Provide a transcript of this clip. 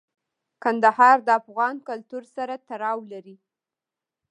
کندهار د افغان کلتور سره تړاو لري.